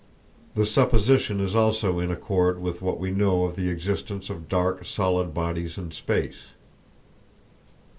The supposition is also in accord with what we know of the existence of dark solid bodies in space.